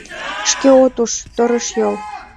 Шке от уж, торешйол...